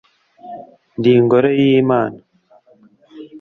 ndi ingoro y’Imana